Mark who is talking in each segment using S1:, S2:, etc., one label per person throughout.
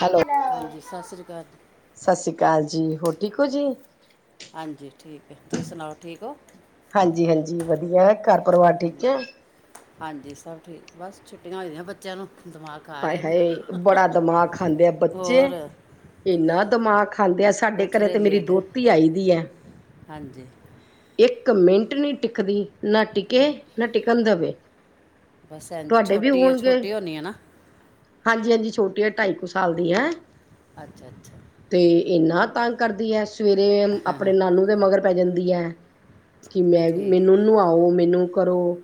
S1: Hello
S2: ਹਾਂਜੀ, ਸਤਿ ਸ਼੍ਰੀ ਅਕਾਲ ਜੀ।
S1: ਸਤਿ ਸ੍ਰੀ ਅਕਾਲ ਜੀ, ਹੋਰ ਠੀਕ ਹੋ ਜੀ?
S2: ਹਾਂਜੀ ਠੀਕ ਹੈ, ਤੁਸੀਂ ਸੁਣਾਓ ਠੀਕ ਹੋ?
S1: ਹਾਂ-ਜੀ ਹਾਂਜੀ, ਵਧੀਆ ਘਰ
S2: ਅੱਛਾ
S1: ਪਰਿਵਾਰ
S2: ਹਾਂਜੀ
S1: ਠੀਕ ਹੈ?
S2: ਹਾਂਜੀ, ਸਭ ਠੀਕ, ਬਸ ਛੁੱਟੀਆਂ ਹੋਈਆਂ ਬੱਚਿਆਂ ਨੂੰ ਦਿਮਾਗ ਖਾ
S1: ਹਾਏ-
S2: ਰਹੇ ਨੇ
S1: ਹਾਏ, ਬੜਾ ਦਿਮਾਗ ਖਾਂਦੇ ਆ ਬੱਚੇ।
S2: ਹੋਰ
S1: ਇੰਨਾ ਦਿਮਾਗ ਖਾਂਦੇ ਆ, ਸਾਡੇ ਘਰੇ
S2: ਉੱਠਦੇ
S1: ਤੇ ਮੇਰੀ
S2: ਲੇਟ ਹੈ
S1: ਦੋਹਤੀ ਆਈ ਦੀ ਹੈ।
S2: ਹਾਂਜੀ।
S1: ਇੱਕ ਮਿੰਟ ਨਹੀਂ ਟਿੱਕਦੀ, ਨਾ ਟਿੱਕੇ, ਨਾ ਟਿਕਣ ਦੇਵੇ।
S2: ਬਸ ਇੰਝ,
S1: ਤੁਹਾਡੇ ਵੀ
S2: ਛੋਟੀ ਹੈ,
S1: ਹੋਣਗੇ
S2: ਛੋਟੀ ਹੋਣੀ ਹੈ ਨਾ?
S1: ਹਾਂਜੀ -ਹਾਂਜੀ, ਛੋਟੀ ਹੈ, ਢਾਈ ਕੁ ਸਾਲ ਦੀ ਹੈ।
S2: ਅੱਛਾ- ਅੱਛਾ।
S1: ਤੇ ਇਨਾਂ ਤੰਗ ਕਰਦੀ ਹੈ, ਸਵੇਰੇ
S2: ਹਾਂ,
S1: ਆਪਣੇ
S2: ਹਾਂ,
S1: ਨਾਨੂ ਦੇ ਮਗਰ ਪੈ ਜਾਂਦੀ ਹੈ। ਕਿ ਮੈਂ
S2: ਠੀਕ
S1: ਮੈਨੂੰ
S2: ਹੈ।
S1: ਨਵਾਓ, ਮੈਨੂੰ ਕਰੋ,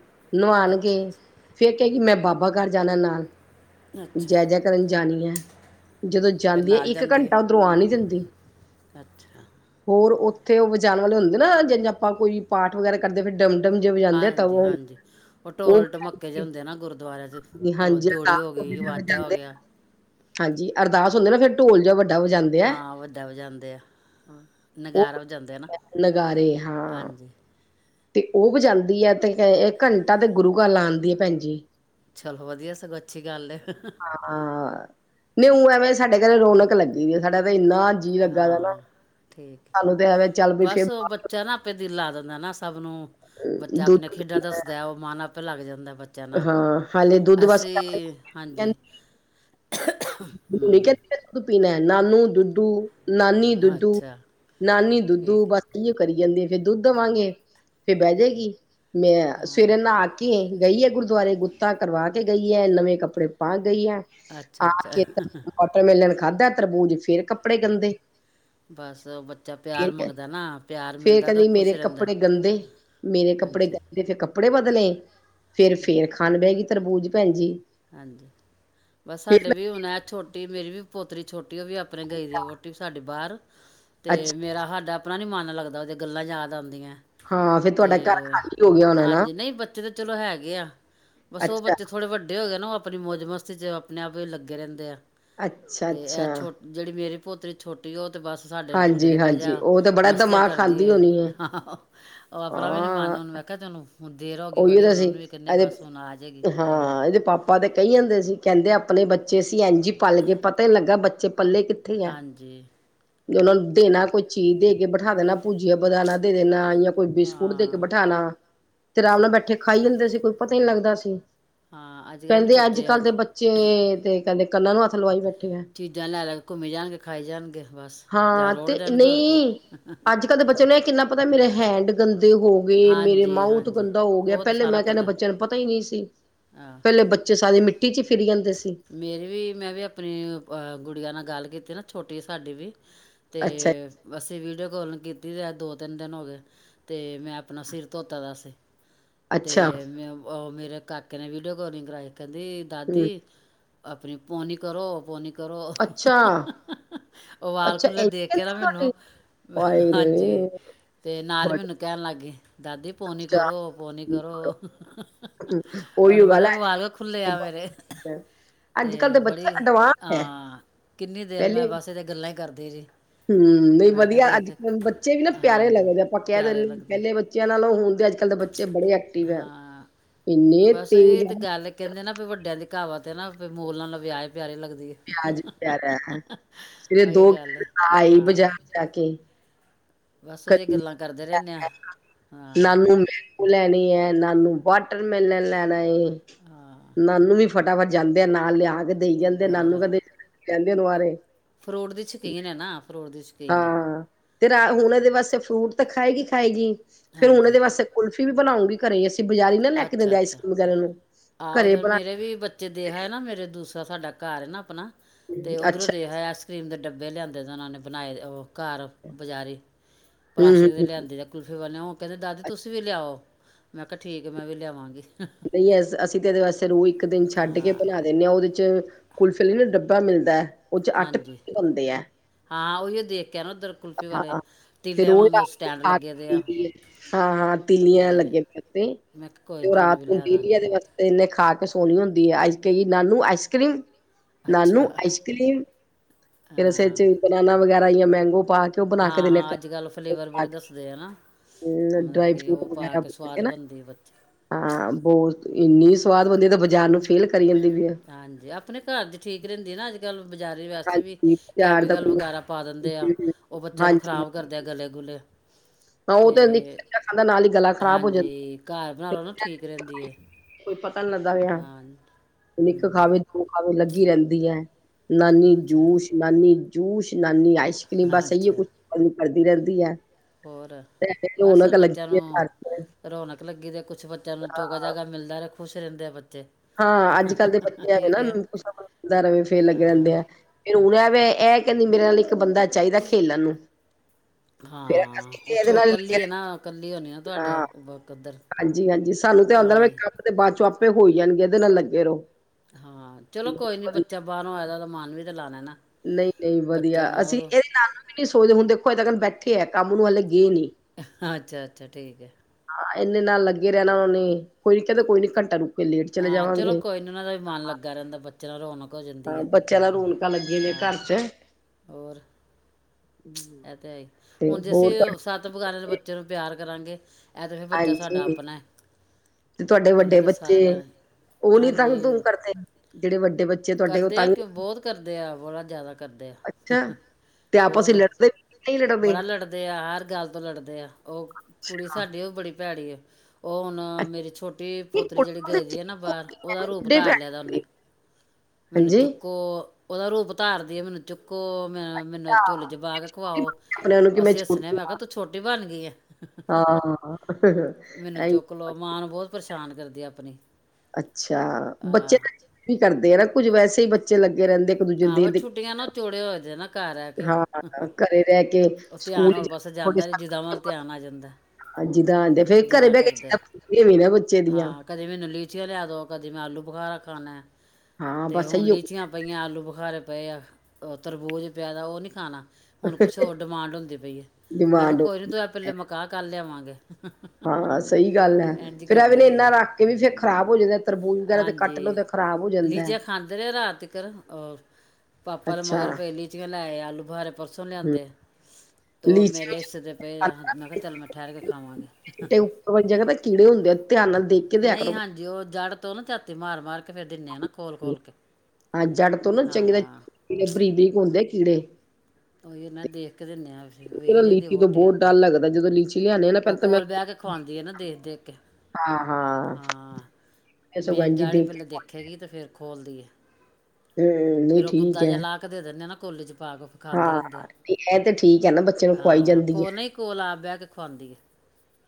S2: ਅੱਛਾ
S1: ਨਵਾਉਣਗੇ। ਫਿਰ ਕਹੇਗੀ ਮੈਂ ਬਾਬਾ ਘਰ ਜਾਣਾ ਨਾਲ,
S2: ਅੱਛਾ
S1: ਜੈ- ਜੈ ਕਰਨ ਜਾਣੀ ਹੈ। ਜਦੋਂ
S2: ਫਿਰ
S1: ਜਾਂਦੀ ਹੈ,
S2: ਨਾਲ
S1: ਇੱਕ
S2: ਜਾਂਦੀ ਹੈ
S1: ਘੰਟਾ ਉਧਰੋਂ ਆਣ ਨੀ ਦਿੰਦੀ।
S2: ਅੱਛਾ
S1: ਹੋਰ ਉੱਥੇ, ਉਹ ਵਜਾਣ ਵਾਲੇ ਹੁੰਦੇ ਨਾ, ਜਿੰਝ ਆਪਾਂ ਕੋਈ ਪਾਠ ਵਗੈਰਾ, ਕਰਦੇ ਫਿਰ ਡਮਡਮ ਜੇ ਵਜਾਂਦੇ ਆ ਤਾਂ
S2: ਹਾਂਜੀ
S1: [unintelligible]
S2: ਹਾਂਜੀ
S1: ਉਹ
S2: ਢੋਲ ਢਮੱਕੇ ਜਿਹੇ ਹੁੰਦੇ ਨਾ ਗੁਰਦੁਆਰਿਆਂ 'ਚ ਉਹ
S1: ਹਾਂਜੀ,
S2: ਜੋੜੀ ਹੋ ਗਈ ਵਾਜਾ ਹੋ
S1: ਵਜਾਂਦੇ
S2: ਗਿਆ
S1: ਹਾਂਜੀ, ਅਰਦਾਸ ਹੁੰਦੀ ਨਾ ਫ਼ਿਰ ਢੋਲ ਜਾ ਵੱਡਾ ਵਜਾਂਦੇ। ਐ
S2: ਹਾਂ ਵੱਡਾ ਵਜਾਉਂਦੇ ਆ
S1: ਉਹ
S2: ਨਗਾਰਾ ਵਜਾਉਂਦੇ ਆ ਨਾ
S1: ਲਗਾ ਰੇ ਹਾਂ।
S2: ਹਾਂਜੀ
S1: ਤੇ ਉਹ ਵਜਾਂਦੀ ਐ ਤੇ ਘੰਟਾ ਤੇ ਗੁਰੂ ਘਰ ਲਾ ਆਂਦੀ ਆ ਭੈਣਜੀ।
S2: ਚਲੋ ਵਧੀਆ ਸਗੋਂ ਅੱਛੀ ਗੱਲ ਐ।
S1: ਹਾਂ, ਨਹੀਂ ਊ ਐਵੇਂ ਸਾਡੇ ਘਰ ਰੌਣਕ ਲੱਗੀ ਸਾਡਾ ਤਾਂ ਇੰਨਾ ਜੀ ਲੱਗਾ ਦਾ ਨਾ
S2: ਹਾਂ ਠੀਕ
S1: ਸਾਨੂੰ ਤੇ ਐਵੇਂ ਚੱਲ ਵੀ ਫੇਰ
S2: ਬਸ ਉਹ ਬੱਚਾ ਨਾ ਆਪੇ ਦਿਲ ਲਾ ਦਿੰਦਾ ਨਾ, ਸਭ ਨੂੰ ਬੱਚਾ ਆਪਣੀਆਂ
S1: ਦੁੱਧ
S2: ਖੇਡਾਂ
S1: ਪੀਣਾ
S2: ਦੱਸਦਾ, ਉਹ ਮਨ ਆਪੇ ਲੱਗ ਜਾਂਦਾ ਬੱ ਬੱਚਿਆਂ ਨਾਲ,
S1: ਹਾਂ ਹਾਲੇ ਦੁੱਧ ਵਾਸਤੇ ਆਪਣੇ
S2: ਅਸੀਂ ਹਾਂਜੀ
S1: ਕਹਿੰਦੀ
S2: ਹਮ
S1: ਦੁੱਧੂ ਪੀਣਾ, ਨਾਨੂ ਦੁੱਧੂ ਨਾਨੀ ਦੁੱਧੂ,
S2: ਅੱਛਾ
S1: ਨਾਨੀ
S2: ਠੀਕ
S1: ਦੁੱਧੂ ਬਸ ਇਓ ਕਰੀ ਜਾਂਦੀ, ਫੇਰ ਦੁੱਧ ਦੇਵਾਂਗੇ, ਫਿਰ ਬਹਿ ਜਾਏਗੀ, ਮੈਂ
S2: ਹਾਂ
S1: ਸਵੇਰੇ ਨਹਾ ਕੇ ਗਈ ਹੈ ਗੁਰਦੁਆਰੇ, ਗੁੱਤਾਂ ਕਰਵਾ ਕੇ ਗਈ ਹੈ, ਨਵੇਂ ਕੱਪੜੇ ਪਾ ਗਈ ਹੈ।
S2: ਅੱਛਾ
S1: ਆ
S2: ਅੱਛਾ
S1: ਕੇ, ਵਾਟਹ ਮੇਲਨ ਖਾਧਾ, ਤਰਬੂਜ, ਫੇਰ ਕੱਪੜੇ ਗੰਦੇ
S2: ਬਸ ਬੱਚਾ,
S1: ਫੇਰ
S2: ਪਿਆਰ
S1: ਕ
S2: ਮੰਗਦਾ ਨਾ, ਪਿਆਰ
S1: ਫੇਰ
S2: ਮਿਲਦਾ ਤਾਂ
S1: ਕਹਿੰਦੀ
S2: ਖੁਸ਼
S1: ਮੇਰੇ
S2: ਰਹਿੰਦਾ।
S1: [unintelligible] ਮੇਰੇ ਕੱਪੜੇ
S2: ਹਾਂਜੀ
S1: ਗੰਦੇ, ਫਿਰ ਕੱਪੜੇ ਬਦਲੇ, ਫ਼ੇਰ, ਫਿਰ ਖਾਣ ਬਹਿ ਗਈ ਤਰਬੂਜ ਭੈਣ ਜੀ।
S2: ਹਾਂਜੀ, ਬਸ
S1: ਫੇਰ
S2: ਸਾਡੇ
S1: ਮੈਂ
S2: ਵੀ ਹੁਣ ਐ ਛੋਟੀ, ਮੇਰੀ ਵੀ ਪੋਤਰੀ ਛੋਟੀ [unintelligible] ਆਪਣੇ ਗਈ ਦੀ ਆ
S1: ਕਿਹਾ
S2: ਵਹੁਟੀ, ਸਾਡੀ ਬਾਹਰ
S1: ਅੱਛਾ
S2: ਤੇ ਮੇਰਾ ਸਾਡਾ ਆਪਣਾ ਨੀ ਮਨ ਲੱਗਦਾ, ਉਹਦੀ ਗੱਲਾਂ ਯਾਦ ਆਉਂਦੀਆਂ
S1: ਹਾਂ, ਫੇਰ ਤੁਹਾਡਾ ਘਰ
S2: ਤੇ
S1: ਖਾਲੀ ਹੋ ਗਿਆ ਹੋਣਾ ਨਾ,
S2: ਹਾਂਜੀ ਨਹੀਂ ਬੱ ਬੱਚੇ ਤਾਂ ਚਲੋ ਹੈਗੇ ਆ ਬਸ ਉਹ
S1: ਅੱਛਾ,
S2: ਬੱਚੇ ਥੋੜੇ ਵੱਡੇ ਹੋਏ ਨਾ ਉਹ ਆਪਣੀ ਮੌਜ ਮਸਤੀ ਚ ਆਪਣੇ ਆਪ ਵਿੱਚ ਲੱਗੇ ਰਹਿੰਦੇ ਆ ਤੇ ਐ
S1: ਅੱਛਾ-ਅੱਛਾ।
S2: ਛੋਟੇ ਜਿਹੜੀ ਮੇਰੀ ਪੋਤਰੀ ਛੋਟੀ ਉਹ ਤਾਂ ਬਸ ਸਾਡੇ ਢਿੱਡ ਤੇ ਬਹਿ ਜਾ
S1: ਹਾਂਜੀ-ਹਾਂਜੀ, ਉਹ ਤਾਂ ਬੜਾ
S2: ਮਸਤੀਆ
S1: ਦਿਮਾਗ
S2: ਕਰਦੀ
S1: ਖਾਂਦੀ
S2: ਐ।
S1: ਹੋਣੀ ਏ,
S2: ਉਹ ਆਪਣਾ ਵੀ ਨੀ ਮਨ
S1: ਹਾਂ,
S2: ਉਹਨੂੰ ਮੈਂ ਕਿਹਾ ਤੈਨੂੰ ਹੁਣ ਦੇਰ ਹੋ ਗਈ
S1: ਉਹੀਓ
S2: ਬੜੀ
S1: ਤਾਂ
S2: ਉਹ
S1: ਸੀ।
S2: ਨੂੰ ਵੀ ਕਹਿੰਦੇ
S1: ਇਹਦੇ
S2: ਬਸ ਹੁਣ ਆ ਜੇਗੀ ਕੋਈ ਨੀ।
S1: ਆਪਾਂ ਤਾਂ ਕਹੀ ਜਾਂਦੇ ਸੀ ਕਹਿੰਦੇ ਆਪਣੇ ਬੱਚੇ ਸੀਂ ਇੰਜ ਹੀ ਪਲ ਗਏ ਪਤਾ ਹੀ ਲੱਗਾ ਬੱਚੇ ਪੱਲੇ ਕਿ [unintelligible] ਆ
S2: ਹਾਂਜੀ
S1: ਉਹਨਾਂ ਨੂੰ ਦੇਣਾ ਕੋਈ ਚੀਜ਼ ਦੇ ਕੇ ਬਿਠਾ ਦੇਣਾ ਭੁਜੀਆ ਬਦਾਣਾ ਦੇ ਦੇਣਾ ਜਾਂ ਕੋਈ ਬਿਸਕੁਟ ਦੇ ਕੇ
S2: ਹਾਂ
S1: ਬਿਠਾਣਾ। ਤੇ ਰਾਮ ਨਾਲ ਬੈਠੇ ਖਾਈ ਜਾਂਦੇ ਸੀ ਕੋਈ ਪਤਾ ਹੀ ਨੀ ਲੱਗਦਾ ਸੀ।
S2: ਹਾਂ ਅੱਜ ਕੱਲ੍ਹ ਨੀ
S1: ਕਹਿੰਦੇ ਅੱਜ
S2: ਬੱਚੇ
S1: ਕੱਲ੍ਹ ਦੇ ਬੱਚੇ ਤੇ ਕਹਿੰਦੇ ਕੰਨਾਂ ਨੂੰ ਹੱਥ ਲਵਾਈ ਬੈਠੇ। ਆ।
S2: ਚੀਜ਼ਾਂ ਲੈ ਲੈ ਕੇ ਘੁੰਮੀ ਜਾਣਗੇ ਖਾਈ ਜਾਣਗੇ ਬਸ ਜਾਂ ਰੋਡ ਦੇਣਗੇ ਹੋਰ ਕੀ।
S1: ਕਦੇ ਬੱਚੇ ਨੂੰ ਇਹ ਕਿੰਨਾ ਪਤਾ ਮੇਰੇ ਹੈਂਡ ਗੰਦੇ ਹੋ ਗਏ ਮੇਰੇ
S2: ਹਾਂਜੀ
S1: ਮਾਊ ਥ
S2: ਹਾਂਜੀ
S1: ਗੰਦਾ ਹੋ ਗਿਆ
S2: ਉਹ ਤਾਂ
S1: ਪਹਿਲੇ
S2: ਸਾਰਾ
S1: ਮੈਂ ਕਹਿੰਦਾ ਬੱਚਿਆਂ ਨੂੰ ਪਤਾ ਹੀ ਨਹੀਂ ਸੀ
S2: ਹਾਂ
S1: ਪਹਿਲੇ ਬੱਚੇ ਸਾਰੀ ਮਿੱਟੀ ਚ ਫਿਰੀ ਜਾਂਦੇ ਸੀ।
S2: ਮੇਰੀ ਵੀ ਮੈਂ ਵੀ ਆਪਣੀ ਗੁੜੀਆਂ ਨਾਲ ਗੱਲ ਕੀਤੀ ਨਾ ਛੋਟੀ ਸਾਡੀ ਵੀ। ਤੇ
S1: ਅੱਛਾ
S2: ਅਸੀਂ ਵੀਡੀਓ ਕੋਲ ਕੀਤੀ ਤਾਂ ਦੋ ਤਿੰਨ ਦਿਨ ਹੋ ਗਏ। ਤੇ ਮੈਂ ਆਪਣਾ ਸਿਰ ਧੋਤਾ ਦਾ ਸੀ। ਤੇ
S1: ਅੱਛਾ
S2: ਮ ਉਹ ਮੇਰੇ ਕਾਕੇ ਨੇ ਵੀਡੀਓ ਕਾਲਿੰਗ ਕਰਵਾਈ ਕਹਿੰਦੀ
S1: ਹਮ
S2: ਦਾਦੀ ਆਪਣੀ ਪੋਨੀ ਕਰੋ ਪੋਨੀ ਕਰੋ।
S1: ਅੱਛਾ
S2: ਵਾਲ
S1: ਅੱਛਾ
S2: ਖੁੱਲੇ
S1: ਇੰਝ
S2: ਦੇਖ
S1: ਕਹਿੰਦੇ
S2: ਕੇ ਨਾ ਮੈਨੂੰ
S1: ਤੁਹਾਡੇ ਹਾਏ
S2: ਹਾਂਜੀ
S1: ਰੇ
S2: ਤੇ ਨਾਲ
S1: ਬੜੀ
S2: ਮੈਨੂੰ ਕਹਿਣ ਲੱਗ ਗਈ ਦਾਦੀ ਪੋਨੀ ਕਰੋ ਪੋਨੀ ਕਰੋ।
S1: ਉਹੀਓ
S2: ਉਹਨੂੰ
S1: ਗੱਲ
S2: ਪਤਾ ਵੀ
S1: ਹੈ
S2: ਵਾਲ ਕੇ ਖੁੱਲੇ ਆ ਮੇਰੇ
S1: ਅੱਜ ਕੱਲ੍ਹ
S2: ਤੇ
S1: ਦੇ ਬੱਚੇ
S2: ਬੜੀ
S1: ਅਡਵਾਂਸ ਹੈ
S2: ਹਾਂ ਕਿੰਨੀ ਦੇਰ ਮੈਂ ਬਸ ਇਹਦੇ ਗੱਲਾਂ ਹੀ ਕਰਦੀ ਰਹੀ।
S1: ਹੂੰ, ਨਹੀਂ
S2: ਮੈਂ ਕਿਹਾ
S1: ਵਧੀਆ ਅੱਜ
S2: ਦੇਖ
S1: ਕੱਲ ਬੱਚੇ ਵੀ ਨਾ ਪਿਆਰੇ
S2: ਹਾਂਜੀ
S1: ਲੱਗਦੇ ਆਪਾਂ ਕਹਿ
S2: ਪਿਆਰੇ
S1: ਦਿੰਦੇ
S2: ਲੱਗਦੇ
S1: ਪਹਿਲੇ ਬੱਚਿਆਂ ਨਾਲੋਂ ਹੁਣ ਤੇ ਅੱਜ ਕੱਲ੍ਹ ਦੇ ਬੱਚੇ ਬੜੇ ਐਕਟਿਵ ਐ
S2: ਹਾਂ
S1: ਇੰਨੇ
S2: ਬਸ
S1: ਤੇਜ਼
S2: ਇਹ
S1: ਐ।
S2: ਤੇ ਗੱਲ ਕਹਿੰਦੇ ਨਾ ਵੀ ਵੱਡਿਆਂ ਦੀ ਕਹਾਵਾਤ ਐ ਨਾ ਵੀ ਮੋਹ ਨਾ ਲਵੇ ਪਿਆਰੇ ਲੱਗਦੀ। ਹੈ
S1: ਪਿਆਜ ਵੀ ਪਿਆਰ
S2: ਉਹ ਇਹ ਗੱਲ ਹੈ ਹਾਂ
S1: [unintelligible]
S2: ਬਸ ਉਹਦੀਆਂ ਗੱਲਾਂ
S1: [unintelligible]
S2: ਕਰਦੇ ਰਹਿੰਦੇ ਆ ਹਾਂ
S1: ਲੈਣੀ ਐ ਨਾਨੂੰ ਵਾਟਰਮੈਲਨ ਲੈਣਾ ਐ
S2: ਹਾਂ
S1: ਨਾਨੂੰ ਵੀ ਫਟਾਫਟ ਜਾਂਦੇ ਆ ਨਾਲ ਲਿਆ ਕੇ ਦੇਈ ਜਾਂਦੇ ਆ ਨਾਨੂ
S2: ਹੋਰ
S1: ਕਦੇ ਕਹਿੰਦੇ [unintelligible]
S2: ਫਰੂਟ ਦੀ ਸ਼ਕੀਨ ਐ ਨਾ ਫਰੂਟ ਦੀ। ਸ਼ੌਕੀਨ ਹੈ
S1: ਹਾਂ, ਤੇ ਰਾ ਹੁਣ ਇਹਦੇ ਵਾਸਤੇ ਫਰੂਟ ਤਾਂ ਖਾਏਗੀ ਖਾਏਗੀ ਫੇਰ ਹੁਣ
S2: ਹਾਂਜੀ
S1: ਇਹਦੇ ਵਾਸਤੇ ਕੁਲਫੀ ਵੀ ਬਣਾਉਂਗੀ ਘਰੇ ਅਸੀਂ ਬਜ਼ਾਰੀ ਨੀ ਲੈ ਕੇ
S2: ਅੱਛਾ
S1: ਦਿੰਦੇ ਆਈਸਕ੍ਰੀਮ ਵਗੈਰਾ ਨੂੰ ਘਰੇ ਬਣਾ
S2: ਜਿਹੜੇ ਵੀ ਬੱਚੇ ਦੇਹਾਏ ਨਾ ਮੇਰੇ ਦੂਸਰਾ ਸਾਡਾ ਘਰ ਹੈ ਨਾ ਆਪਣਾ,
S1: ਕੇ
S2: ਤੇ ਉੱਧਰੋਂ
S1: ਅੱਛਾ
S2: ਦੇਹਾਇਆ ਤਿੰਨ ਡੱਬੇ ਲਿਆਉਦੇ ਸਨ ਉਹਨ ਬਣਾਏ ਘਰ ਬਾਜ਼ਾਰੀ
S1: ਹੂੰ ਹੂੰ ਅੱਛਾ
S2: ਸਕੂਲ ਫੇ ਵਾਲਿਆ ਉਹ ਕਹਿੰਦੇ ਦਾਦੀ ਤੁਸੀਂ ਵੀ ਲਿਆਓ ਮੈਂ ਕਿਹਾ ਠੀਕ ਹੈ ਮੈਂ ਵੀ ਲਿਆਵਾਂਗੀ
S1: ਨਹੀਂ ਅਸੀਂ ਤਾਂ ਇਹਦੇ ਵਾਸਤੇ ਰੋਜ ਇੱਕ ਦਿਨ ਛੱਡ ਕੇ
S2: ਹਾਂ
S1: ਬਣਾ ਦਿੰਦੇ ਹਾਂ ਉਹਦੇ ਚ ਕੁਲਫਲੀ ਲਈ ਨਾ ਡੱਬਾ ਮਿਲਦਾ ਉਹ ਚ ਅਠ
S2: ਹਾਂਜੀ
S1: [unintelligible]
S2: ਹਾਂ ਉਹੀ ਦੇਖ ਕੇ ਆ ਨਾ ਉੱਧਰ।
S1: ਤੇ ਰੋਜ਼ ਹਾਂ
S2: ਲੱਗੇ ਦੇ ਆ
S1: ਹਾਂ
S2: ਤੇ
S1: ਤੀਲੀਆਂ ਲੱਗੀਆਂ ਤੇ
S2: ਮੈਂ ਕਿਹਾ ਕੋਈ
S1: ਤੇ
S2: ਨੀ,
S1: ਉਹ ਰਾਤ
S2: ਤੁਹਾਨੂੰ ਵੀ
S1: ਨੂੰ
S2: ਲਿਆ ਦਾਂਗੇ
S1: ਡੇਲੀ ਦੇ ਵਾਸਤੇ ਇਨੇ ਖਾ ਕੇ ਸੋਹਣੀ ਹੁੰਦੀ ਐ ਕਹੇਗੀ ਨਾਨੂ ਆਈਸ ਕਰ੍ਰੀਮ
S2: ਅੱਛਾ
S1: ਨਾਨੂ ਆਈਸ ਕਰ੍ਰੀਮ ਫੇਰ ਅਸੀਂ ਇਹ
S2: ਹਾਂ
S1: ਚ ਬਨੈਨਾ ਵਗੈਰਾ ਜਾਂ ਮੈਂਗੋ ਪਾ ਕੇ ਤੇ ਉਹ ਬਣਾ ਕੇ
S2: ਹਾਂ ਹਾਂ ਅੱਜ ਕੱਲ੍ਹ ਫਲੇਵਰ
S1: [unintelligible]
S2: ਬੜੇ ਦੱਸਦੇ ਆ ਨਾ
S1: ਹੂੰ,
S2: ਮਤਲਬ
S1: ਡਰਾਈ
S2: ਕਿ
S1: ਫਰੂਟ
S2: ਉਹ
S1: ਵਗੈਰਾ ਪਾ ਕੇ
S2: ਸਵਾਦ
S1: ਨਾ।
S2: ਬਣਦੀ ਬੱਚੇ
S1: ਹਾਂ, ਬਹੁਤ ਇੰਨੀ ਸਵਾਦ ਬਣਦੀ ਤਾਂ ਬਾਜ਼ਾਰ ਨੂੰ ਫੇਲ ਕਰੀ ਜਾਂਦੀ ਐ।
S2: ਹਾਂਜੀ, ਆਪਣੇ ਘਰ ਦੀ ਠੀਕ ਰਹਿੰਦੀ ਨਾ ਅੱਜ ਕੱਲ੍ਹ ਬਜ਼ਾਰੀ ਵਾਸਤੇ ਵੀ।
S1: ਹਾਂਜੀ ਬਾਜ਼ਾਰ ਦਾ
S2: ਕੈਮੀਕਲ
S1: ਕੋਈ
S2: ਵਗੈਰਾ ਪਾ
S1: ਹੂੰ,
S2: ਦਿੰਦੇ ਆ
S1: ਹੂੰ,
S2: ਉਹ ਬੱਚਿਆਂ ਨੂੰ
S1: ਹਾਂਜੀ
S2: ਖ਼ਰਾਬ ਕਰਦੇ ਆ ਗਲੇ ਗੁਲੇ।
S1: ਹਾਂ ਉਹ
S2: ਤੇ,
S1: ਨਿੱਕਾ ਖਾਂਦਾ ਨਾਲ ਹੀ ਗਲਾ ਖ਼ਰਾਬ ਹੋ ਜਾਂਦਾ
S2: ਹਾਂਜੀ ਘਰ ਬਣਾ ਲੋ ਨਾ ਠੀਕ ਰਹਿੰਦੀ ਹੈ
S1: ਕੋਈ ਪਤਾ ਨੀ ਲੱਗਦਾ ਵਿ
S2: ਹਾਂ
S1: ਲਿਖ
S2: ਹੂੰ
S1: ਖਾਵੇ ਲੱਗੀ ਰਹਿੰਦੀ ਹੈ, ਨਾਨੀ
S2: ਅੱਛਾ
S1: ਜੂਸ਼, ਨਾਨੀ ਜੂਸ਼, ਨਾਨੀ ਆਈ ਸ਼ਕ ਨ ਬਸ ਇਹੀਓ
S2: ਅੱਛਾ
S1: ਕੁਛ ਗੱਲ ਨ ਕਰਦੀ ਰਹਿੰਦੀ ਹੈ
S2: ਹੋਰ, ਬਸ
S1: ਰੌਣਕ
S2: ਬੱਚਿਆਂ
S1: ਲੱਗੀ
S2: ਨੂੰ
S1: ਘਰ ਚ
S2: ਰੌਣਕ ਲੱਗੀ, ਦੇ ਕੁਛ ਬੱਚਿਆਂ ਨੂੰ ਚੋਗਾ ਜਾਗਾ ਮਿਲਦਾ ਰਹੇ ਖੁਸ਼ ਰਹਿੰਦੇ ਆ ਬੱਚੇ
S1: ਹਾਂ ਅੱਜ ਕੱਲ੍ਹ ਦੇ ਬੱਚੇ ਆਂ
S2: ਇਹ
S1: ਨਾ
S2: ਕਿਹਾ
S1: ਕੁਛ ਦਾ ਰਵੇਂ ਫੇਰ ਲੱਗੇ
S2: ਹਾਂ
S1: ਰਹਦੇ ਆ ਫਿਰ ਉਹਨ ਇਹ ਕਹਿੰਦੀ ਮੇਰੇ ਨਾਲ ਇੱਕ ਬੰਦਾ ਚਾਹੀਦਾ ਖੇਲਣ ਨੂੰ ਫੇਰ
S2: ਹਾਂ
S1: ਅਸੀਂ ਇਹਦੇ
S2: ਉਹ
S1: ਨਾਲ ਹੀ ਲੱਗੇ
S2: ਕੱਲੀ ਆ ਨਾ ਕੱਲੀ ਹੋਣੀ ਨਾ ਤੁਹਾਡੇ
S1: ਹਾਂ
S2: ਉਧਰ
S1: ਹਾਂਜੀ- ਹਾਂਜੀ ਸਾਨੂੰ ਤੇ ਆਉਂਦਾ ਨਾ ਕੰਮ ਦੇ ਬਾਅਦ ਚੋਂ ਆਪੇ ਹੋ ਹੀ ਜਾਣਗੇ ਇਹਦੇ ਨਾਲ ਲੱਗੇ ਰਹੋ
S2: ਹਾਂ ਚਲੋ ਕੋਈ ਨੀ
S1: ਵਧੀਆ,
S2: ਬੱਚਾ ਬਾਹਰੋਂ ਆਇ ਉਹਦਾ ਮਨ ਵੀ ਤੇ ਲਾਉਣਾ ਨਾ
S1: ਨਹੀਂ -ਨਹੀਂ ਵਧੀਆ
S2: ਬੱਚਿਆਂ ਨੂੰ
S1: ਅਸੀਂ
S2: ਔਰ
S1: ਇਹਦੇ ਨਾਲ ਨੂੰ ਵੀ ਨਹੀਂ ਸੋਚਦੇ ਹੁਣ ਦੇਖੋ ਇਹਦ ਕਨ ਬੈਠੇ ਆ ਕੰਮ ਨੂੰ ਹਲੇ ਗਏ ਨੀ
S2: ਅੱਛਾ, ਅੱਛਾ ਠੀਕ ਹੈ
S1: ਆਾਂ ਇੰਨੇ ਨਾਲ ਲੱਗੇ ਰਹਿਣਾ ਉਹਨੇ ਕੋਈ ਨੀ ਕਹਿੰਦਾ ਕੋਈ ਨੀ ਘੰਟਾ ਨੂੰ
S2: ਹਾਂ ਚਲੋ ਕੋਈ ਨੀ ਉਹਨਾਂ ਦਾ ਵੀ ਮਨ ਲੱਗਾ ਰਹਿੰਦਾ ਬੱਚਿਆਂ ਨਾਲ ਰੌਣਕ ਹੋ ਜਾਂਦੀ ਹੈ
S1: ਚਲੋ ਰੌਣਕਾਂ ਲੱਗੀ ਨੇ
S2: ਹਾਂ
S1: ਘਰ ਚ
S2: ਹੋਰ
S1: ਹੂੰ,
S2: ਇਹ ਤੇ ਹੀ
S1: ਤੇ
S2: ਹੁਣ
S1: ਹੋਰ
S2: ਜੈਸੀੇ
S1: ਤੁਹਾਡੇ
S2: ਸੱਤ ਵਗਾਰਿਆਂ ਦੇ ਬੱਚੇ ਨੂੰ ਪਿਆਰ ਕਰਾਂਗੇ ਇਹ ਤਾਂ ਫਿਰ ਬੱਚਾ ਸਾਡਾ
S1: ਹਾਂਜੀ
S2: ਆਪਣਾ ਹੈ
S1: ਤੇ ਤੁਹਾਡੇ
S2: ਉਹਨੇ
S1: ਵੱਡੇ
S2: ਤਾਂ
S1: ਬੱਚੇ
S2: ਸਾਰਾ ਲੈਣੇ
S1: ਉਹ ਨੀ ਤੰਗ ਤੁੰਗ
S2: ਹਾਂਜੀ,
S1: ਕਰਦੇ ਜਿਹੜੇ ਵੱਡੇ ਬੱਚੇ ਤੁਹਾਡੇ ਉਹ
S2: ਕਰਦੇ ਆ
S1: ਤੰਗ
S2: ਕਿ ਬਹੁਤ ਕਰਦੇ ਆ ਬੜਾ ਜ਼ਿਆਦਾ ਕਰਦੇ ਆ
S1: ਅੱਛਾ ਤੇ ਆਪਸ ਚ
S2: ਹੋਰ
S1: ਲੜਦੇ ਵੀ ਕਿ ਨਹੀਂ ਲੜਦੇ
S2: ਬੜਾ ਲੜਦਾ ਦੇ ਆ ਹਰ ਗੱਲ ਤੋਂ ਲੜਦੇ ਆ, ਉਹ ਕੁੜੀ
S1: ਅੱਛਾ
S2: ਸਾਡੀ ਉਹ ਬੜੀ ਭੈੜੀ ਆ ਉਹ ਹੁਣ ਮੇਰੀ ਛੋਟੀ
S1: ਅੱਛਾ
S2: ਪੋਤਰੀ ਜਿਹੜੀ
S1: ਕੁੜੀਆਂ ਦੇ
S2: ਗਏਦੀ ਹੈ
S1: ਚੀਜ਼
S2: ਨਾ ਬਾਹਰ
S1: ਹੁੰਦੀ ਹੈ,
S2: ਉਹਦਾ ਰੂਪ
S1: ਮੁੰਡੇ
S2: ਉਤਾਰ
S1: ਭੈਣ
S2: ਲੈਦਾ ਉਹਨੇ
S1: ਹੁੰਦੇ।
S2: ਮੈਨੂੰ
S1: ਹਾਂਜੀ
S2: ਚੁੱਕੋ ਉਹਦਾ ਰੂਪ ਧਾਰਦੀ ਹੈ ਮੈਨੂੰ ਚੁੱਕੋ ਮੈਂ ਮੈਨੂੰ
S1: ਹਾਂ,
S2: ਝੋਲੀ ਜ ਬਾਹ ਕੇ
S1: ਆਪਣੇ
S2: ਖਵਾਓ,
S1: ਆਪ ਨੂੰ ਕਿ
S2: ਅਸੀਂ
S1: ਛੋਟੀ
S2: ਹਸਣੇ ਮੈਂ ਕਿਹਾ ਤੂੰ ਛੋਟੀ ਬਣ ਗਈ ਆ
S1: ਹਾਂ,
S2: ਮੈਨੂੰ
S1: ਇਹੀ
S2: ਚੁੱਕ ਲਓ, ਮਾਂ ਨੂੰ ਬਹੁਤ ਪਰੇਸ਼ਾਨ ਕਰਦੀ ਆਪਣੀ
S1: ਅੱਛਾ ਬੱਚੇ
S2: ਆ
S1: ਤਾਂ ਤੰਗ ਵੀ ਕਰਦੇ ਨਾ ਕੁੱਝ ਵੈਸੇ ਹੀ ਬੱਚੇ ਲੱਗੇ ਰਹਿੰਦੇ ਦੂਜੇ ਨੂੰ
S2: ਆਹ ਵ
S1: ਦੇਖ ਦੇਖ
S2: ਛੁੱਟੀਆਂ ਨਾ ਚੋੜੇ ਹੋ ਜਾ ਨਾ ਘਰ ਆ ਕੇ
S1: ਹਾਂ, ਘਰੇ ਰਹਿ ਕੇ
S2: ਉਹ
S1: ਸਕੂਲ
S2: ਧਿਆਨ ਹੋਰ ਬਸ ਜਾਂਦਾ ਜਿਦਾਂ ਵੱਲ ਧਿਆਨ ਆ ਜਾਂਦਾ
S1: ਹਾਂਜੀ ਜਿੱਦਾਂ ਫੇਰ ਘਰੇ
S2: ਜਿੱਦਾਂ
S1: ਬ
S2: ਕਰਦੇ
S1: ਜਿੱਦਾਂ ਵੀ ਨਾ ਬੱਚੇ ਦੀਆਂ
S2: ਹਾਂ ਕਦੇ ਮੈਨੂੰ ਲੀਚੀਆਂ ਲਿਆ ਦੋ ਕਦੇ ਮੈਂ ਆਲੂ ਬੁਖਾਰ ਖਾਂਣਾ
S1: ਹਾਂ,
S2: ਤੇ
S1: ਬਸ
S2: ਹੁਣ
S1: ਇਹੀਓ
S2: ਲੀਚੀਆਂ ਪਈਆਂ ਆਲੂ ਬੁਖਾਰੇ ਪਏ ਆ, ਉਹ ਤਰਬੂਜ਼ ਪਿਆ ਉਹ ਨੀ ਖਾਣਾ, ਹੁਣ ਕੁਛ ਹੋਰ ਡਿਮਾਂਡ ਹੁੰਦੀ ਪਈ ਹੈ ਮੈਂ ਕਿਹਾ
S1: ਡਿਮਾਂਡ
S2: ਕੋਈ ਨਹੀਂ ਤੂੰ ਪਹਿਲੇ ਆ ਮੁਕਾ ਫਿਰ ਕਲ ਲਿਆਵਾਂਗੇ
S1: ਹਾਂ ਸਹੀ ਗੱਲ ਹੈ
S2: ਇੰਜ
S1: ਫਿਰ ਐਵੇਂ
S2: ਕਰਦੇ
S1: ਨੇ ਇਨਾ
S2: ਜਿਹਦਾ
S1: ਰੱਖ ਕੇ ਵੀ ਫੇਰ ਖਰਾਬ ਹੋ ਜਾਂਦਾ ਤਰਬੂਜ਼ ਵਗੈਰਾ ਤੇ ਕੱਟ
S2: ਹਾਂਜੀ
S1: ਲਉਦੇ
S2: ਲੀਚੀਆਂ ਖਾਂਦੇ ਰਹੇ ਰਾਤ ਤਕ ਉਹ ਪਾਪਾ ਦੇ
S1: ਅੱਛਾ,
S2: ਮਗਰ ਪਈ ਜੀ ਲੈ ਆਏ ਆਲੂ ਬਖ਼ਾਰੇ ਪਰਸੋਂ ਲਿਆਂਦੇ
S1: [inaudible]
S2: ਤੋ ਮੇਰੇ
S1: ਵੀ
S2: ਹਿੱਸੇ ਤੇ ਪਏ, ਮੈਂ ਕਿਹਾ ਚੱਲ ਮੈਂ ਠਹਿਰ ਕੇ ਖਾਵਾਂਗੀ
S1: ਤੇ ਉਪਰ ਵਾਲੀ ਜਗ੍ਹਾ ਕੀੜੇ ਹੁੰਦੇ ਆ ਧਿਆਨ ਨਾਲ ਦੇਖ ਕੇ ਦਿਆ
S2: ਨਹੀਂ
S1: ਕਰੋ।
S2: ਹਾਂਜੀ ਉਹ ਜੜ੍ਹ ਤੋਂ ਨਾ ਝਾਤੀ ਮਾਰ- ਮਾਰ ਕੇ ਫੇਰ ਦਿੰਦੇ ਆ ਨਾ ਖੋਲ ਖੋਲ ਕੇ
S1: ਹਾਂ ਜੜ ਤੋਂ ਨਾ ਚੰਗੀ ਤ
S2: ਹਾਂ
S1: ਬਰੀਕ-ਬਰੀਕ ਹੁੰਦੇ ਕੀੜੇ
S2: ਉਹੀ ਮੈਂ ਦੇਖ ਕੇ ਦਿੰਦੇ ਹਾਂ
S1: ਜਿਹੜਾ
S2: ਵੇਖਦੇ ਹੁੰਦੀ
S1: ਲੀਚੀ ਤੋਂ
S2: ਵਹੁਟੀ
S1: ਬਹੁਤ ਡਰ ਲੱਗਦਾ ਜਦੋਂ ਲੀਚੀ ਲਿਆਣੇ ਆ ਨਾ
S2: ਉਹ
S1: ਪਹਿਲਾਂ ਤਾਂ ਮੈਂ
S2: ਕੋਲ ਬਹਿ ਕੇ ਖਵਾਉਂਦੀ ਹੈ ਨਾ ਦੇਖ -ਦੇਖ ਕੇ
S1: ਹਾਂ -ਹਾਂ ਮੈਂ ਸਗੋਂ
S2: ਮੇਨ
S1: ਇੰਝ
S2: ਜੜ ਹੀ
S1: ਦੇਖ
S2: ਪਹਿਲੇ ਦੇਖੇਗੀ ਤੇ ਫੇਰ ਖੋਲਦੀ ਹੈ।
S1: [unintelligible]
S2: ਫੇਰ ਉਹ ਗੁੱਦਾ
S1: ਹੈ
S2: ਜਿ ਲਾ ਦੇ ਦਿੰਦੇ ਆ ਨਾ ਕੋੋਲੀ ਚ ਪਾ ਕੇ। ਖਾਂਦੇ
S1: ਹਾਂ
S2: ਰਹਿੰਦੇ ਆ
S1: ਨਹੀਂ ਇਹ ਤੇ ਠੀਕ ਹੈ ਨਾ ਬੱਚੇ ਨੂੰ ਖਵਾਈ
S2: ਹਾਂ
S1: ਜਾਂਦੀ
S2: ਕੋ
S1: ਹੈ
S2: ਨਹੀਂ ਕੋਲ ਬਹਿ ਕੇ ਖਵਾਉਂਦੀ ਏ।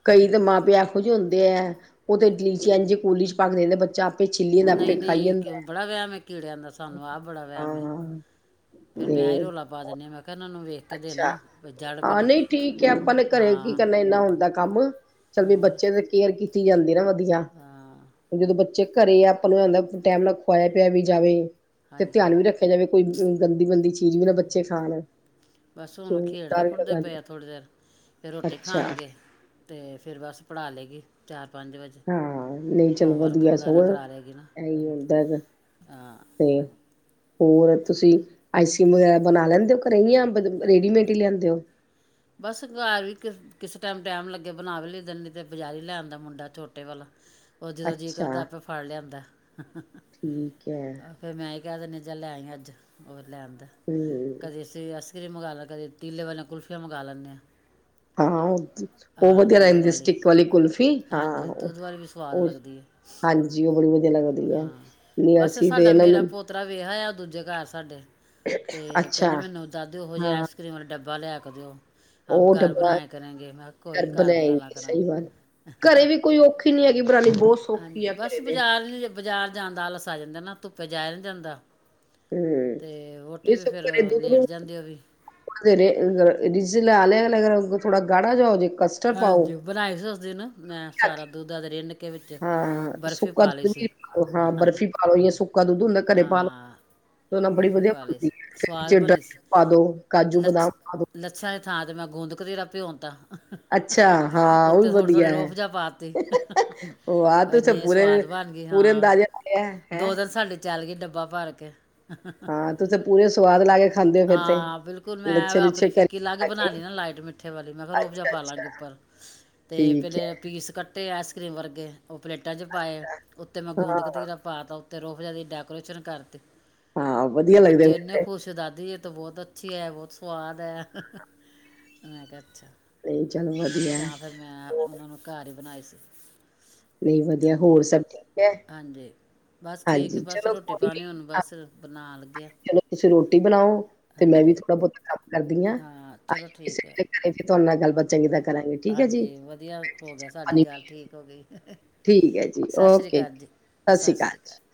S1: ਕਈ ਤਾਂ ਮਾਂ ਪਿਓ ਇਹੋ ਜਿਹੇ ਹੁੰਦੇ ਹੈ ਉਹ ਤੇ ਲੀਚੀ ਇਝ ਕੋਲੀ ਚ ਪਾ ਕੇ ਦੇ ਦਿੰਦੇ ਐ ਬੱਚਾ ਛਿੱਲੀ ਜਾਂਦਾ ਆਪੇ ਖਾਈ
S2: ਨਈਂ-ਨਈਂ
S1: ਜਾਂਦਾ
S2: ਕਿਉਂ
S1: ਹੈ।
S2: ਬੜਾ ਵਹਿਮ ਏ ਕੀੜਿਆਂ ਦਾ ਸਾਨੂੰ ਆਹ ਬੜਾ ਵਹਿਮ ਏ।
S1: ਹਾਂ
S2: ਫੇਰ ਮੈਂ ਹੀ
S1: ਤੇ
S2: ਰੌਲਾ ਪਾ ਦੇਨੀ ਹਾਂ ਮੈਂ ਕਿਹਾ ਇਹਨਾਂ ਨੂੰ ਵੇਖ ਕੇ
S1: ਅੱਛਾ
S2: ਦੇਣਾ ਵੀ ਜੜ
S1: ਹਾਂ
S2: ਪਹਿਲੇ
S1: ਨਈ ਠੀਕ ਹੈ ਆਪਾਂ ਨੇ ਘਰੇ ਕੀ
S2: ਹਾਂ
S1: ਕਰਨਾ ਇਨਾ ਹੁੰਦਾ ਕੰਮ ਚੱਲ ਵੀ
S2: ਹੋਰ
S1: ਬੱਚੇ ਦੇ ਕੇਅਰ ਕੀਤੀ ਜਾਂਦੀ ਨਾ ਵਧੀਆ
S2: ਹਾਂ
S1: ਜਦੋ ਬ ਚੇ ਘਰੇ ਆਪਾਂ ਨੂੰ ਆ ਟਾਈਮ ਨਾਲ ਖੁਆਇਆ ਪਿਆਆ ਵੀ ਜਾਵੇ ਤੇ
S2: ਹਾਂਜੀ
S1: ਧਿਆਨ ਵੀ ਰੱਖ ਜਾਵੇ ਕੋਈ ਗੰਦੀ ਗੰਦੀ ਚੀਜ਼ ਵੀ ਨਾ ਬੱਚੇ ਖਾਨ।
S2: ਬਸ ਹੁਣ ਖੇਡਦੇ-ਖੁਡਦੇ ਪਏ ਹੈ ਥੋੜੀ ਦੇਰ ਫਿਰ ਰੋਟੀ
S1: ਅੱਛਾ
S2: ਖਾਣਗੇ। ਤੇ ਫੇਰ ਬਸ ਪੜ੍ਹਾ ਲੈਗੀ ਚਾ, ਪੰਜ ਵਜੇ।
S1: ਹਾਂ ਨਹੀਂ ਚਲੋ
S2: ਹੋਮਵਰਕ
S1: ਵਧੀਆ
S2: ਵਗੈਰਾ
S1: ਸਗੋਂ
S2: ਕਰਾ ਲਗੀ ਨਾ
S1: ਇਹੀ ਹੁੰਦਾ
S2: ਹਾਂ।
S1: ਤੇ ਹੋਰ ਤੁਸੀਂ ਆਈਸਕ੍ਰੀਮ ਵਗੈਰਾ ਬਣਾ ਲੈਂਦੇ ਹੋ ਘਰੇ ਹੀ ਰੇਡੀਮੇਡ ਹੀ ਲੈਂਦੇ ਹੋ।
S2: ਬਸ ਘਰ ਵੀ ਕਿਸ ਕਿਸ ਟਾਈਮ ਟੈਮ ਲੱਗੇ ਬਣਾ ਵੀ ਲਈ ਦਾ ਨੀ ਨੀ ਤੇ ਬਜ਼ਾਰੀ ਲੈਦਾ ਮੁੰਡਾ ਛੋਟੇ ਵਾਲਾ। ਉਹ ਜਦੋਂ ਜੀਅ ਕਰਦਾ
S1: ਅੱਛਾ
S2: ਆਪੇ ਫੜ ਲਿਆਂਦਾ।
S1: ਠੀਕ ਹੈ
S2: ਫੇਰ ਮੈਂ ਇਹ ਕਹਿ ਦੀਨੀ ਆ ਜਾ ਲੈਈ ਅੱਜ ਹੋਰ ਲੈਦਾ
S1: ਹਮ
S2: ਕਦੇ ਕਦੀ ਆਈਸਕ੍ਰੀਮ ਮੰਵਾ ਲੈ ਕਦੇ ਤੀਲੇ ਵਾਲੀਆਂ ਕੁਲਫੀਆਂ ਮੰਵਾ ਲੈਨੇ ਹਾਂ।
S1: ਹਾਂ ਉਹ ਉਹ
S2: ਹਾਂ
S1: ਵਧੀਆ
S2: ਦੁੱਧ
S1: ਰਹਿੰਦੀ ਸਟਿਕ ਵਾਲੀ ਕੁਲਫੀ ਹਾਂ
S2: ਹਾਂਜੀ ਦੁੱਧ ਵਾਲੀ ਵੀ ਸਵਾਦ
S1: ਉਹ
S2: ਲੱਗਦੀ ਹੈ
S1: ਹਾਂਜ ਜੀ ਉ ਬੜੀ ਵਧੀਆ ਲਗ
S2: ਹਾਂ ਬਸ ਸਾਡਾ ਮੇਰਾ ਪੋਤਰਾ ਵੇਖ ਆਇਆ ਦੂਜੇ ਘਰ ਸਾਡੇ। ਤੇ
S1: ਅੱਛਾ
S2: ਕਹਿੰਦਾ ਮੈਨੂੰ ਦਾਦੀ ਉਹੋ ਜਿਹੇ
S1: ਹਾਂ
S2: ਆਈਸ ਕਰ੍ਰੀਮ ਵਾਲੇ ਡੱਬਾ ਲਿਆ ਕੇ ਦਿਓ। ਹਮ
S1: ਉਹ
S2: ਘਰ
S1: ਡੱਬਾ
S2: ਬਣਾਏ ਕਰਾਂਗੇ ਮੈਂ ਕਿਹਾ ਕੋਈ ਨੀ ਘਰ ਬਣਾਲਾ
S1: ਬਣਾਏਗੀ ਸਹੀ ਬਾਤ
S2: ਕਰਾਂਗੇ।
S1: ਘਰੇ ਵੀ ਕੋਈ ਔਖੀ ਨੀ ਹੈਗੀ ਬਣਾਣੀ ਬਹੁਤ ਸੌਖੀ
S2: ਹਾਂਜੀ
S1: ਆ
S2: ਬਸ
S1: ਘਰੇ ਤੇ
S2: ਬਾਜ਼ਾਰ ਬਾਜ਼ਾਰ ਜਾਣ ਦਾ ਆਲਸ ਆ ਜਾਂਦਾ ਨਾ ਧੁੱਪੇ ਜਾਯਾ ਨੀ ਜਾਂਦਾ।
S1: ਹੂੰ
S2: ਤੇ ਵੋਟੀ ਵੀ ਫੇਰ ਲੇਟ ਜਾਂਦੀ ਐ ਉਹ ਵੀ।
S1: [unintelligible] ਗੜਾ ਜਾਓ ਜੇ ਕਸਟਰਡ ਪਾਓ
S2: ਹਾਂਜੀ ਬਣਾਏ ਸੀ ਉਸ ਦਿਨ। ਮੈਂ ਸਾਰਾ ਦੁੱਧ ਦਦ ਰਿੰਨ ਕੇ ਵਿੱਚੇ
S1: ਹਾਂ
S2: ਬਰਫ਼ੀ
S1: ਸੁੱਕਾ
S2: ਪਾ ਲੀ
S1: ਦੁੱਧ
S2: ਸੀ।
S1: ਵੀ ਪਾਲੋ ਹਾਂ ਬਰਫ਼ੀ [inaudible] ਘਰੇ ਪਾਲੋ। ਤੇ ਉਹ ਨਾਲ ਬੜੀ
S2: ਬਰਫੀ
S1: ਵਧੀਆ
S2: ਪਾ ਲਈ ਸੀ ਸਵਾਦ ਬਣੀ
S1: [inaudible] ਪਾ ਦੋ ਕਾਜੂ, ਬਦਾਮ ਪਾ ਦੋ।
S2: ਲੱਛਿਆਂ ਦੀ ਥਾਂ ਤੇ ਮੈਂ ਗੋਂਦ ਕਤੀਰਾ ਭਿਉ ਤਾ।
S1: ਅੱਛਾ ਹਾਂ ਉਹ ਵੀ
S2: ਉੱਤੇ
S1: ਵਧੀਆ
S2: ਥੋੜੀ-ਥੋੜੀ
S1: ਹੈ
S2: ਰੋਹਫਜਾ ਪਾਤੀ
S1: ਵਾਹ ਤੁਸੀਂ
S2: ਇੰਨੇ
S1: ਪੂਰੇ
S2: ਸਵਾਦ ਬਣ ਗਈ
S1: ਪੂਰੇ
S2: ਹਾਂ,
S1: ਅੰਦਾਜ਼ੇ ਲਾਇਆ ਹੈ
S2: ਦੋ ਦਿਨ ਸਾਡੀ ਚੱਲ ਗੀ ਡੱਬਾ ਭਰ ਕੇ।
S1: ਹਾਂ ਤੁਸੀਂ ਪੂਰੇ ਸਵਾਦ ਲਾ ਕੇ ਖਾਂਦੇ ਹੋ ਫਿਰ ਤੇ
S2: ਹਾਂ ਬਿਲਕੁਲ ਮੈਂ
S1: ਲੱਛੇ-ਲੁੱਛੇ
S2: ਆਪਣੀ
S1: ਘਰੇ
S2: ਫਿੱਕੀ ਅਲਗ
S1: ਕੇ
S2: ਬਣਾ ਲਈ ਨਾ ਲਾਈਟ ਮਿੱਠ ਮਿੱਠੇ ਵਾਲੀ ਮੈਂ ਕਿਹਾ ਰੋਬਜਾ ਪਾ
S1: ਅੱਛਾ-ਅੱਛਾ
S2: ਲਵਾਂਗੇ ਉੱਪਰ ਅਤੇ
S1: ਠੀਕ ਐ
S2: ਪਹਿਲੇ ਪੀਸ ਕੱਟੇ ਆਈਸ ਕਰ੍ਰੀਮ ਵਰਗੇ। ਉਹ ਪਲੇਟਾਂ ਪਾਏ, ਉੱਤੇ ਮੈਂ ਗੂੰਦ
S1: ਹਾਂ,
S2: ਕਤੀਰਾ ਪਾ ਤਾ ਉੱਤੇ ਰੋਹਫਜਾ ਦੀ ਡੈਕੋਰੇਸ਼ਨ ਕਰਤੀ।
S1: ਹਾਂ
S2: ਤੇ
S1: ਵਧੀਆ ਲੱਗਦੇ
S2: ਬੱਚੇ
S1: ਹੋਣੇ
S2: ਇੰਨੇ
S1: ਫੇਰ
S2: ਖੁਸ਼ ਦਾਦੀ ਇਹ ਤਾਂ ਬਹੁਤ ਅੱਛੀ ਹੈ, ਬਹੁਤ ਸਵਾਦ ਹੈ ਮੈਂ ਕਿਹਾ ਅੱਛਾ।
S1: ਜਨਵਰੀ
S2: ਤਾਂ ਫਿਰ ਮੈਂ ਉਹਨਾਂ ਨੂੰ ਘਰ ਹੀ ਬਣਾਈ ਸੀ।
S1: ਨਹੀਂ ਵਧੀਆ ਹੋਰ
S2: ਹਾਂਜੀ
S1: ਸਭ ਠੀਕ ਹੈ।
S2: ਹਾਂਜੀ ਬਸ ਠੀਕ
S1: ਹਾਂਜੀ
S2: ਹੈ, ਬਸ
S1: ਚਲੋ
S2: ਰੋਟੀ
S1: ਕੋਈ
S2: ਪਾਣੀ
S1: ਨੀ
S2: ਹੁਣ ਬਸ ਬਣਾ ਲੱਗੇ ਹਾਂ
S1: [inaudible] ਚਲੋ ਤੁਸੀਂ ਰੋਟੀ ਬਣਾਓ। ਤੇ ਮੈਂ ਵੀ
S2: ਹਾਂਜੀ
S1: ਥੋੜਾ ਬਹੁਤਾ ਕੰਮ ਕਰਦੀ ਆ
S2: ਹਾਂ ਚਲੋ
S1: [inaudible]
S2: ਠੀਕ ਹੈ
S1: ਤੁਹਾਡੇ ਨਾਲ ਗੱਲਬਾਤ ਚੰਗੀ ਤਰ੍ਹਾਂ ਕਰਾਂਗੇ ਠੀਕ ਹੈ ਜੀ।
S2: ਕੋ ਗੀ
S1: ਠੀਕ ਐ ਜੀ
S2: ਸਸ ਸ੍ਰੀ
S1: ਓਕੇ
S2: ਕਾਲ ਜੀ,
S1: ਸਤਿ ਸ਼੍ਰੀ
S2: ਸਸ
S1: ਅਕਾਲ
S2: ਸ੍ਰੀ
S1: ਜੀ।
S2: ਕਾਲ।